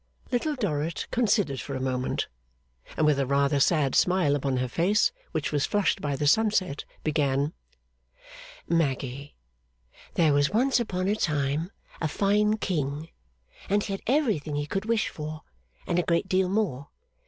Little Dorrit considered for a moment; and with a rather sad smile upon her face, which was flushed by the sunset, began: 'Maggy, there was once upon a time a fine King, and he had everything he could wish for, and a great deal more.